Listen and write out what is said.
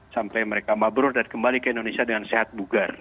sampai mereka mabrur dan kembali ke indonesia dengan sehat bugar